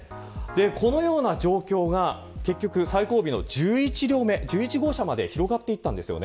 このような状況が結局最後尾の１１両目、１１号車まで広がっていったんです。